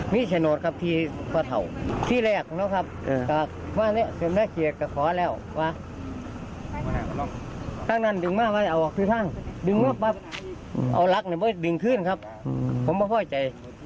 มันเลยมาเขาเอาทางเข้า